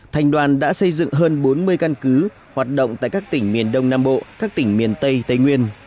thành đoàn đã xây dựng hơn bốn mươi căn cứ hoạt động tại các tỉnh miền đông nam bộ các tỉnh miền tây tây nguyên